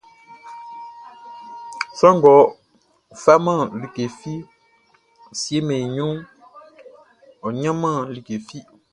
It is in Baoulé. Sran ngʼɔ faman like fi siemɛn i ɲrunʼn, ɔ ɲanman like fi.